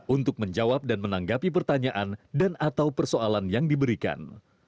untuk menjawab dan menanggapi pertanyaan dan atau persoalan yang diberikan